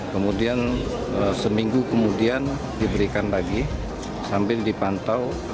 kemudian seminggu kemudian diberikan lagi sambil dipantau